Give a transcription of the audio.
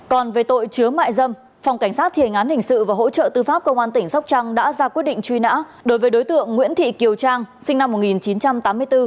còn về tội chứa mại dâm phòng cảnh sát thiền án hình sự và hỗ trợ tư pháp công an tỉnh sóc trăng đã ra quyết định truy nã đối với đối tượng nguyễn thị kiều trang sinh năm một nghìn chín trăm tám mươi bốn